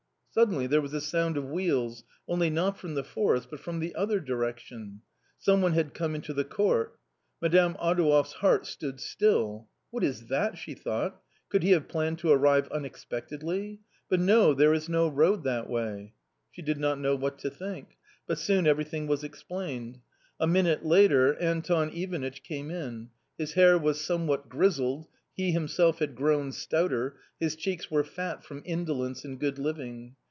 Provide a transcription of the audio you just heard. Suddenly there was a sound of wheels only not from the forest but from the other direction. Someone had come into the court. Madame Adouev's heart stood still. " What is that ?" she thought, " could he have planned to arrive unexpectedly ? But no, there is no road that way." She did not know what to think ; but soon everything was explained. A minute later Anton Ivanitch came in. His hair was somewhat grizzled, he himself had grown stouter; his cheeks were fat from indolence and good living.